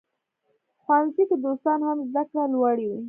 ښوونځي کې دوستان هم زده کړه لوړوي.